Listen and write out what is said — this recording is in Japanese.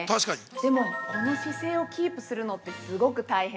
でも、この姿勢をキープするのって、すごく大変。